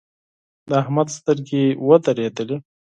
د احمد سترګې ودرېدلې.